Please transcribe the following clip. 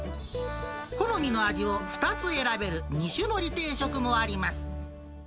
好みの味を２つ選べる２種盛り定食もあります。